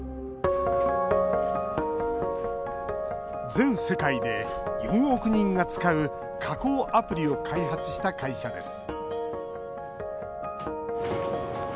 全世界で４億人が使う加工アプリを開発した会社です